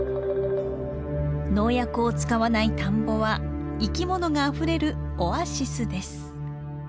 農薬を使わない田んぼは生きものがあふれるオアシスです。